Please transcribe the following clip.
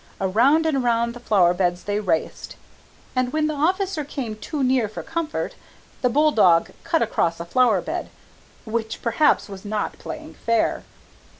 Around and around the flower beds they raced, and when the officer came too near for comfort, the bull dog cut across a flower bed, which perhaps was not playing fair.